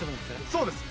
そうです